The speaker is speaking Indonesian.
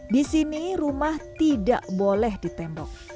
di sini rumah tidak boleh ditembok